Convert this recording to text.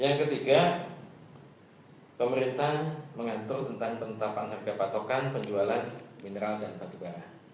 yang ketiga pemerintah mengatur tentang penetapan harga patokan penjualan mineral dan batu bara